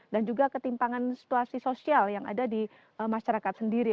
dan juga ketimpangan situasi sosial yang ada di masyarakat sendiri